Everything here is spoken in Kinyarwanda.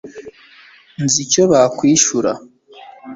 nzi icyo bakwishura